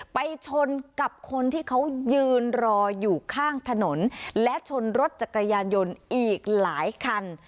ไปชนกับคนที่เขายืนรออยู่ข้างถนนและชนรถจักรยานยนต์อีกหลายคัน